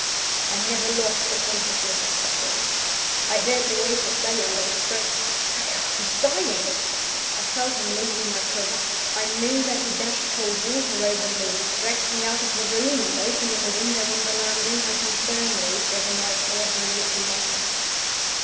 I never lost the consciousness of suffering. I heard the waiter say, under his breath, "My God! he's dying." I felt him loosen my cravat I knew that he dashed cold water over me; dragged me out of the room; and, opening a window on the landing, held me firmly where the night air blew upon my face.